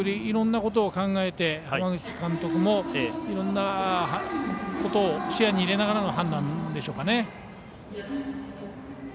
いろんなことを考えて浜口監督も、いろんなことを視野に入れながらの判断でしょうかね。